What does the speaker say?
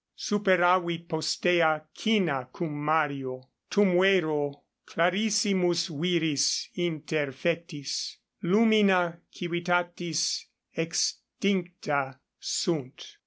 Superavit postea Cinna cum Mario: tum vero, clarissimis viris interfectis, lumina civitatis exstincta sunt.